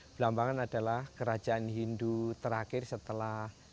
belambangan adalah kerajaan hindu terakhir setelah